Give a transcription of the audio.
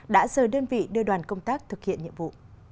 đã rời đơn vị đưa đoàn công tác thực hiện nhiệm vụ